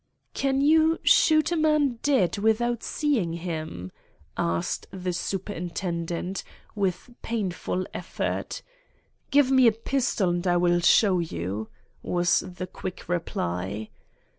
"Can you shoot a man dead without seeing him?" asked the Superintendent, with painful effort. "Give me a pistol and I will show you," was the quick reply.